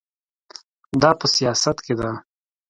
دا په سیاست کې ده.